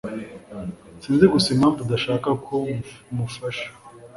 Sinzi gusa impamvu adashaka ko mumufasha.